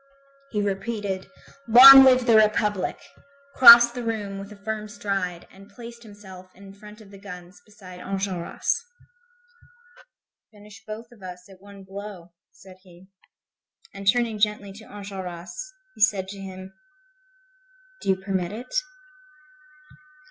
He repeated: "Long live the Republic!" crossed the room with a firm stride and placed himself in front of the guns beside Enjolras. "Finish both of us at one blow," said he. And turning gently to Enjolras, he said to him: "Do you permit it?"